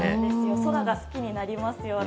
空が好きになりますよね。